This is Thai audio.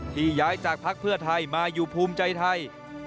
ที่ย้ายจากภักดิ์เพื่อไทยมาอยู่ภูมิใจไทย